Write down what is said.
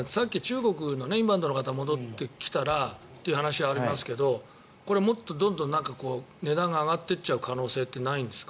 中国のインバウンドの方が戻ってきたらという話がありましたがこれ、もっとどんどん値段が上がっていっちゃう可能性ってないんですか？